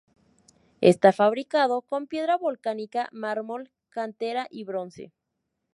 Está fabricado en piedra volcánica, mármol, cantera y bronce.